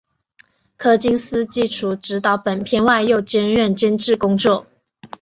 柯金斯基除执导本片外又兼任监制工作。